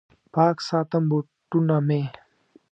پاک ساتم بوټونه مې